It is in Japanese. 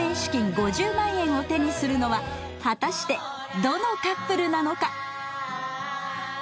５０万円を手にするのは果たしてどのカップルなのか？